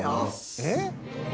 えっ？